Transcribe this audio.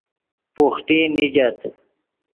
بوحٹی نیگت